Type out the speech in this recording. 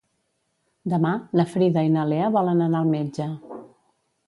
Demà na Frida i na Lea volen anar al metge.